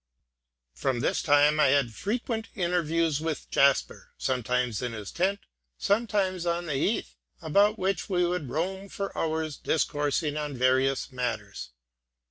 From this time I had frequent interviews with Jasper, sometimes in his tent, sometimes on the heath, about which we would roam for hours, discoursing on various matters.